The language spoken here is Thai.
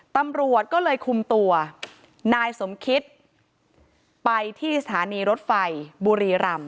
ตำรวจก็เลยคุมตัวนายสมคิตไปที่สถานีรถไฟบุรีรำ